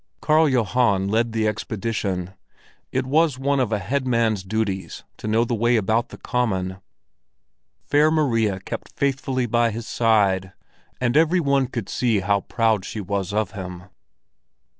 Karl Johan led the expedition; it was one of a head man's duties to know the way about the Common. Fair Maria kept faithfully by his side, and every one could see how proud she was of him.